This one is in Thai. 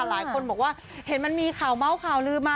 หลายคนบอกว่าเห็นมันมีข่าวเมาส์ข่าวลืมมา